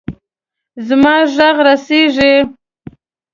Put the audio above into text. زما ږغ رسیږي.